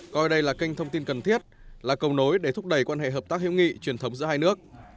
coi đây là kênh thông tin cần thiết là cầu nối để thúc đẩy quan hệ hợp tác hiệu nghị truyền thống giữa hai nước